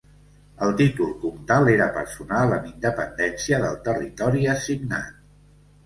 El títol comtal era personal amb independència del territori assignat.